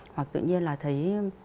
hoặc tự nhiên là thấy